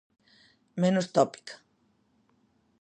Menos tópica.